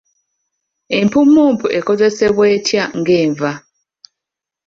Empummumpu ekozesebwa etya ng’enva?